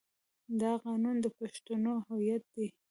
دا قانون د پښتنو هویت دی.